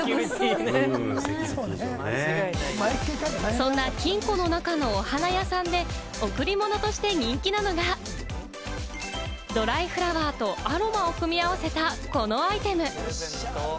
そんな金庫の中のお花屋さんで、贈り物として人気なのが、ドライフラワーとアロマを組み合わせたこのアイテム。